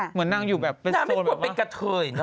เหมือนนางอยู่แบบเป็นโซนแบบว่านางไม่ต้องเป็นกะเทยเนอะ